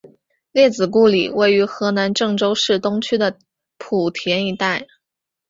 列子故里位于河南郑州市东区的圃田一带。